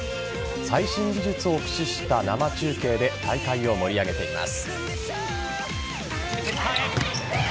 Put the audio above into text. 最新技術を駆使した生中継で大会を盛り上げています。